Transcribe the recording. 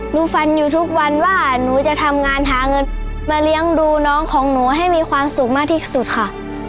ฝันอยู่ทุกวันว่าหนูจะทำงานหาเงินมาเลี้ยงดูน้องของหนูให้มีความสุขมากที่สุดค่ะ